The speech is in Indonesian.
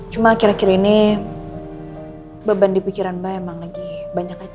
cuma akhir akhir ini beban di pikiran mbak emang lagi banyak aja